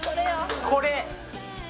これ！